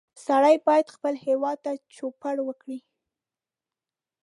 سړی باید خپل هېواد ته چوپړ وکړي